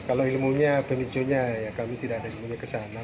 kalau ilmunya pemicunya kami tidak ada ilmunya kesana